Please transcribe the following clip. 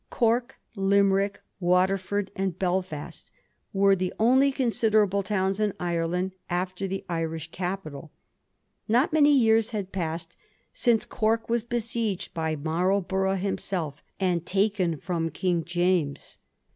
Cork, Limerick, Waterford, and Belfast were the only considerable towns in Ireland after the Irish capital. Not many years had passed since Cork was besieged by Marlborough himself, and taken from King James.